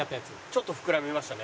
ちょっと膨らみましたね。